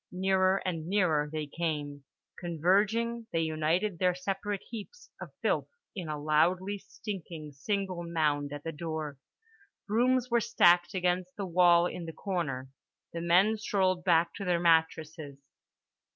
Nearer and nearer they came; converging, they united their separate heaps of filth in a loudly stinking single mound at the door. Brooms were stacked against the wall in the corner. The men strolled back to their mattresses.